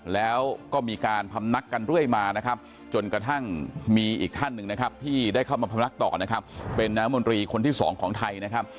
แล้วก็มีการพำนักกันเรื่อยมานะครับจนกระทั่งมีอีกท่านหนึ่งนะครับที่ได้เข้ามาพำนักต่อนะครับเป็นน้ำมนตรีคนที่สองของไทยนะครับ